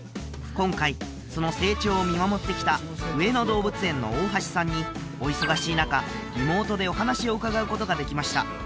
今回その成長を見守ってきた上野動物園の大橋さんにお忙しい中リモートでお話を伺うことができました